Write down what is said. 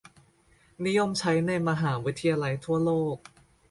นิยมใช้ในมหาวิทยาลัยทั่วโลก